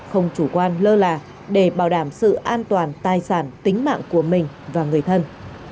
không chủ quan lơ là để bảo đảm sự an toàn tài sản tính mạng của mình và người thân